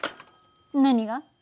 何が？